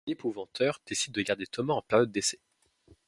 L'Épouvanteur décide de garder Thomas en période d'essai.